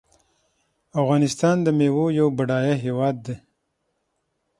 افغانستان د میوو یو بډایه هیواد دی.